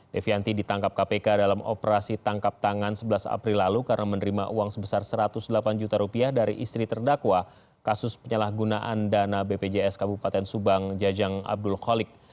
devianti ditangkap kpk dalam operasi tangkap tangan sebelas april lalu karena menerima uang sebesar satu ratus delapan juta rupiah dari istri terdakwa kasus penyalahgunaan dana bpjs kabupaten subang jajang abdul khalid